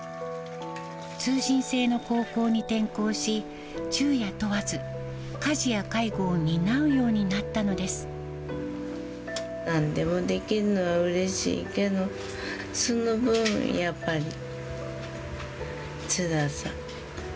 通信制の高校に転校し、昼夜問わず、家事や介護を担うようになっなんでもできるのはうれしいけど、その分やっぱり、つらさ。